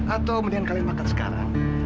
atau kemudian kalian makan sekarang